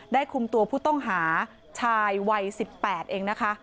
คุมตัวผู้ต้องหาชายวัย๑๘เองนะคะ